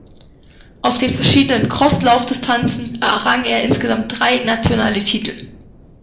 Auf den verschiedenen Crosslauf-Distanzen errang er insgesamt drei nationale Titel.